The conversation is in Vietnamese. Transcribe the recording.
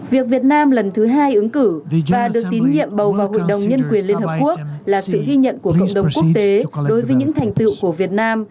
việc việt nam lần thứ hai ứng cử và được tín nhiệm bầu vào hội đồng nhân quyền liên hợp quốc là sự ghi nhận của cộng đồng quốc tế đối với những thành tựu của việt nam